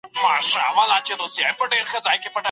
ولي محنتي ځوان د هوښیار انسان په پرتله لاره اسانه کوي؟